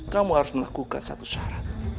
kamu harus melakukan satu syarat